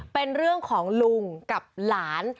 เป็นเรื่องของลุงกับหลาน